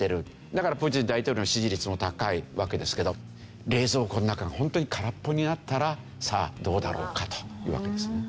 だからプーチン大統領の支持率も高いわけですけど冷蔵庫の中がホントに空っぽになったらさあどうだろうかというわけですね。